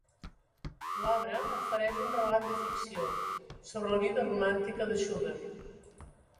L'obra ofereix un relat de ficció sobre la vida romàntica de Schubert.